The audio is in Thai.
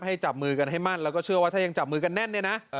จับมือกันให้มั่นแล้วก็เชื่อว่าถ้ายังจับมือกันแน่นเนี่ยนะ